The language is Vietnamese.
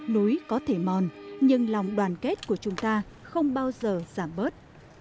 núi có thể mòn nhưng lòng đoàn kết của chúng ta không bao giờ giảm bớt